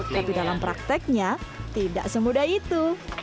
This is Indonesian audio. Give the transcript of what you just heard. tapi dalam prakteknya tidak semudah itu